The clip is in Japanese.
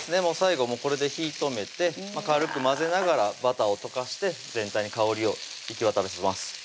もう最後これで火ぃ止めて軽く混ぜながらバターを溶かして全体に香りを行き渡らせます